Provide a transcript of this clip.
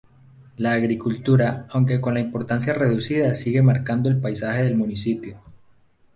La agricultura, aunque con una importancia reducida, sigue marcando el paisaje del municipio.